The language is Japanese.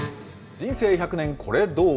人生１００年、コレどう！？